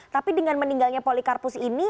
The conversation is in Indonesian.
tapi dengan meninggalnya polikarpus ini